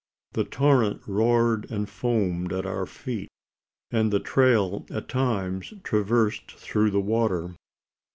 The torrent roared and foamed at our feet; and the trail at times traversed through the water.